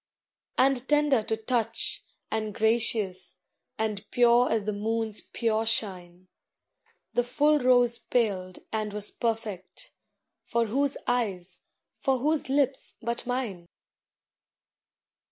And tender to touch, and gracious, And pure as the moon's pure shine, The full rose paled and was perfect, For whose eyes, for whose lips, but mine!